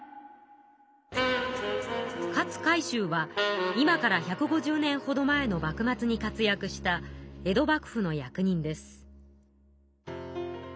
勝海舟は今から１５０年ほど前の幕末に活やくした江戸幕府の役人です。